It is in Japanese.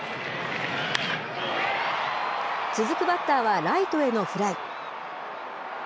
続くバッターはライトへのフライ。